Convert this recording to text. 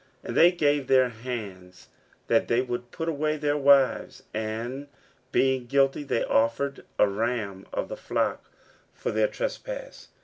15:010:019 And they gave their hands that they would put away their wives; and being guilty, they offered a ram of the flock for their trespass.